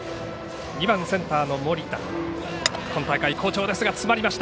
２番センターの森田今大会好調ですが詰まりました。